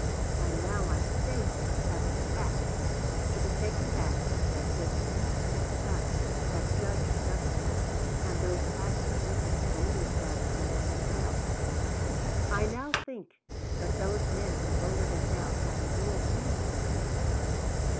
And now I state it as a fact, to be taken back if there is any mistake about it, that Judge Douglas and those acting with him voted that amendment down. I now think that those men who voted it down had a real reason for doing so.